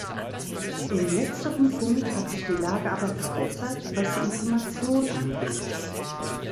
In letzterem Punkt hat sich die Lage aber verbessert, was die Information angeht.